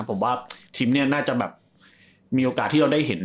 ผมว่าทีมเนี่ยน่าจะแบบมีโอกาสที่เราได้เห็น